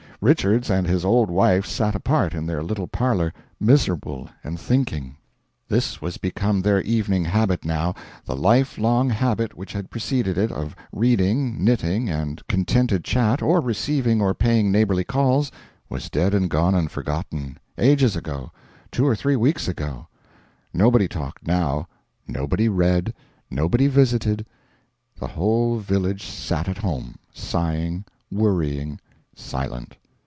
Richards and his old wife sat apart in their little parlour miserable and thinking. This was become their evening habit now: the life long habit which had preceded it, of reading, knitting, and contented chat, or receiving or paying neighbourly calls, was dead and gone and forgotten, ages ago two or three weeks ago; nobody talked now, nobody read, nobody visited the whole village sat at home, sighing, worrying, silent.